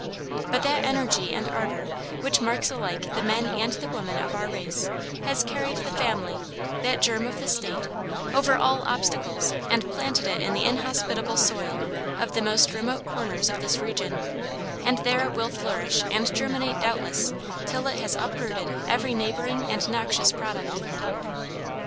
But that energy and ardor which marks alike the men and the women of our race has carried the family, that germ of the state, over all obstacles and planted it in the inhospitable soil of the most remote corners of this region, and there it will flourish and germinate doubtless till it has uprooted every neighboring and noxious product.